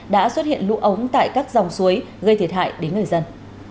đã xuất hiện lũ ống tại các dòng suối gây thiệt hại đến người dân